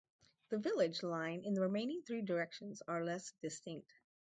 The village line in the remaining three directions are less distinct.